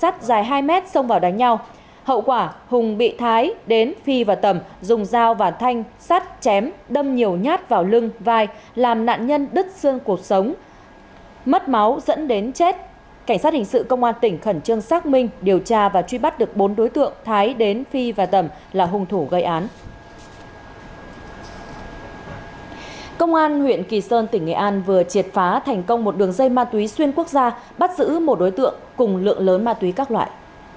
công an huyện kỳ sơn tỉnh nghệ an vừa triệt phá thành công một đường dây ma túy xuyên quốc gia bắt giữ một đối tượng cùng lượng lớn ma túy các loại